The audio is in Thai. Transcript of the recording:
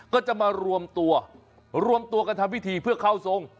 ก็จะมารวมตัวการทำวิธีเพื่อเข้าทรง